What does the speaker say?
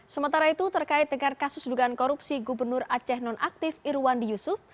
sementara itu terkait dengan kasus dugaan korupsi gubernur aceh nonaktif irwandi yusuf